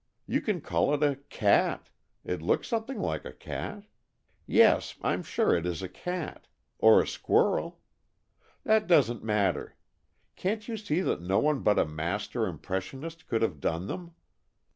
You can call it a cat it looks something like a cat yes! I'm sure it is a cat. Or a squirrel. That doesn't matter. Can't you see that no one but a master impressionist could have done them?